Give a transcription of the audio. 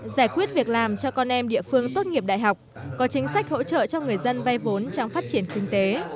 giải quyết việc làm cho con em địa phương tốt nghiệp đại học có chính sách hỗ trợ cho người dân vay vốn trong phát triển kinh tế